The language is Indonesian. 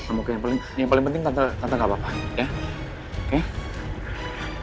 aku oke yang paling penting tante gak apa apa ya